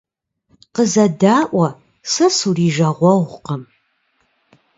Къызэдаӏуэ, сэ сурижагъуэгъукъым.